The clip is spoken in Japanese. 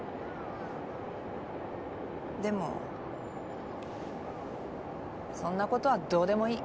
でもそんなことはどうでもいい。